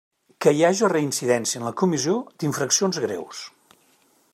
Que hi haja reincidència en la comissió d'infraccions greus.